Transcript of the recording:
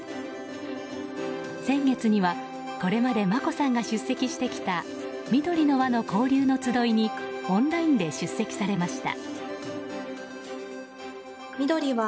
先月にはこれまで眞子さんが出席してきたみどりの「わ」の交流の集いにオンラインで出席されました。